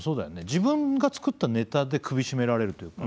自分が作ったネタで首締められるというか。